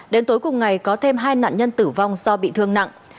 đến tối cùng ngày có thêm hai nạn nhân tử vong do bị thương nặng